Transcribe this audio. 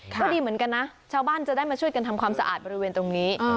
ก็ดีเหมือนกันนะชาวบ้านจะได้มาช่วยกันทำความสะอาดบริเวณตรงนี้